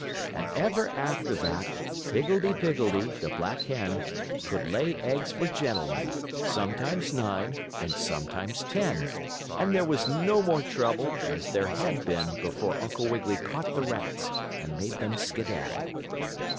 And ever after that Higgledee Piggledee, the black hen, could lay eggs for gentlemen, sometimes nine and sometimes ten, and there was no more trouble as there had been before Uncle Wiggily caught the rats and made them skedaddle.